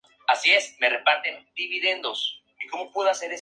Algunas importantes colecciones privadas y museos poseen obras suyas.